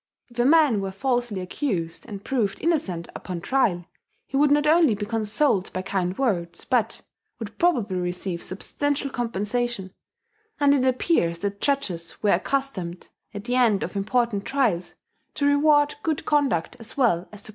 If a man were falsely accused, and proved innocent upon trial, he would not only be consoled by kind words, but, would probably receive substantial compensation; and it appears that judges were accustomed, at the end of important trials, to reward good conduct as well as to punish crime.